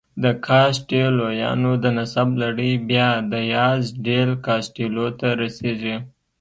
د کاسټیلویانو د نسب لړۍ بیا دیاز ډیل کاسټیلو ته رسېږي.